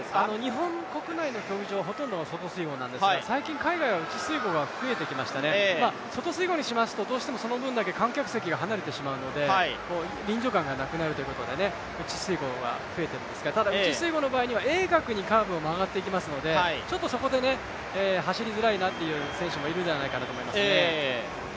日本国内の競技場は、ほとんどが外水濠なんですが、最近海外では内水濠が増えてきましたね、外水濠にしますと、どうしてもその分だけ観客席が離れてしまうので臨場感がなくなるということで内水濠が増えているんですが内水濠の場合は鋭角にカーブを曲がっていきますので、そこで走りづらいなという選手もいるんじゃないかと思います。